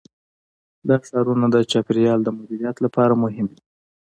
دا ښارونه د چاپیریال د مدیریت لپاره مهم دي.